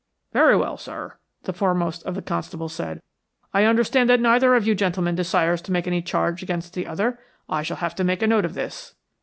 "Very well, sir," the foremost of the constables said. "I understand that neither of you gentlemen desires to make any charge against the other. I shall have to make a note of this."